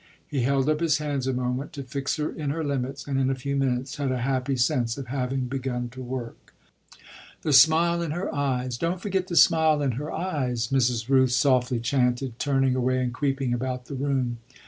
He held up his hands a moment, to fix her in her limits, and in a few minutes had a happy sense of having begun to work. "The smile in her eyes don't forget the smile in her eyes!" Mrs. Rooth softly chanted, turning away and creeping about the room.